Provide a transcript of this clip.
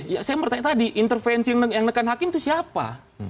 ya saya bertanya tadi intervensi yang menekan hakim itu siapa